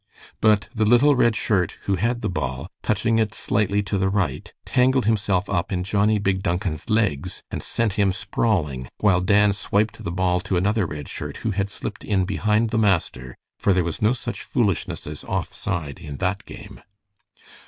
But the little Red Shirt who had the ball, touching it slightly to the right, tangled himself up in Johnnie Big Duncan's legs and sent him sprawling, while Dan swiped the ball to another Red Shirt who had slipped in behind the master, for there was no such foolishness as off side in that game.